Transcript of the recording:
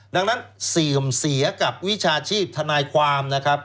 ดังนั้นเสื่อมเสียกับวิชาชีพทนายความนะครับ